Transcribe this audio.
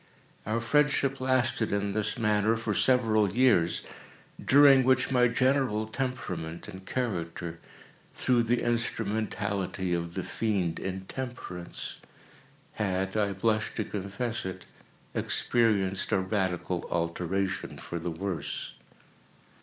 Our friendship lasted, in this manner, for several years, during which my general temperament and character—through the instrumentality of the Fiend Intemperance—had (I blush to confess it) experienced a radical alteration for the worse.